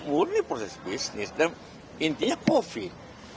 murni proses bisnis dan intinya covid